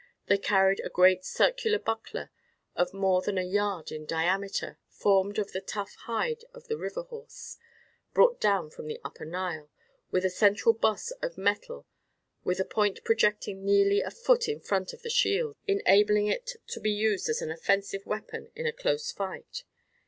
They carried a great circular buckler of more than a yard in diameter, formed of the tough hide of the river horse, brought down from the upper Nile, with a central boss of metal with a point projecting nearly a foot in front of the shield, enabling it to be used as an offensive weapon in a close fight.